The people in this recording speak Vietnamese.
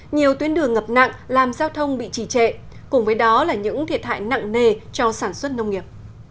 nhiều tuyến đường ngập nặng làm giao thông bị trì trệ cùng với đó là những thiệt hại nặng nề cho sản xuất nông nghiệp